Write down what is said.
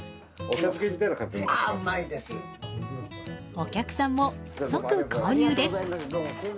お客さんも即購入です。